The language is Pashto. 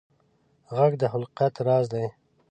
غږ د خلقت راز دی